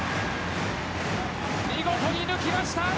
見事に抜きました。